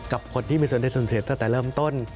กับคนที่มีสนใจสนเสร็จตั้งแต่เริ่มต้น